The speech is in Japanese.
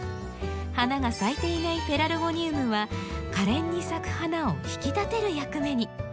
花が咲いていないペラルゴニウムはかれんに咲く花を引き立てる役目に。